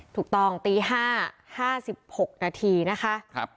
ถูกต้องตี๕๕๖นาทีนะคะ